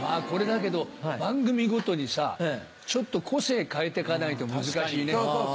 これだけど番組ごとにさちょっと個性変えてかないと難しいね。